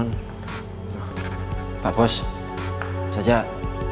pangeran bakal jauhin si cewek asongan